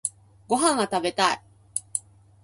ご飯が食べたい